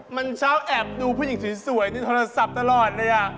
มันเช้าแอบดูผู้หญิงสวยในโทรศัพท์ตลอดเลย